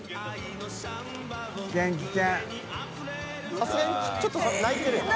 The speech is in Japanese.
さすがにちょっと泣いてるやん。